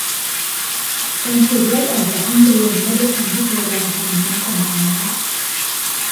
การถูกไล่ออกจากห้องเรียนไม่ได้ทำให้เธอรำคาญแม้แต่น้อย